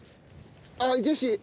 あっジェシー。